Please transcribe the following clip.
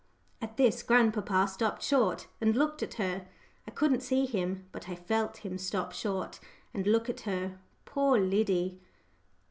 At this grandpapa stopped short and looked at her I couldn't see him, but I felt him stop short and look at her. Poor Liddy!